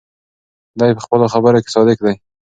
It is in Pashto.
دی په خپلو خبرو کې صادق دی.